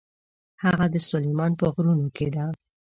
هغه د سلیمان په غرونو کې ده.